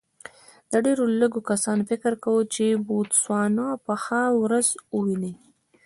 ډېرو لږو کسانو فکر کاوه چې بوتسوانا به ښه ورځ وویني.